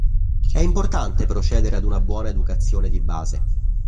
È importante procedere ad una buona educazione di base.